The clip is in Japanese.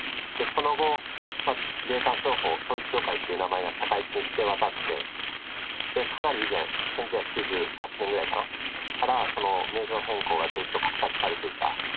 その後、霊感商法、統一教会っていう名前が社会的に知れ渡って、かなり以前、１９９８年ごろからかな、名称変更がずっと画策されていた。